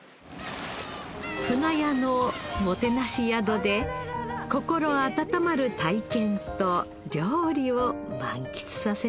舟屋のもてなし宿で心温まる体験と料理を満喫させて頂きました